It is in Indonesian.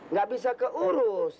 nggak bisa keurus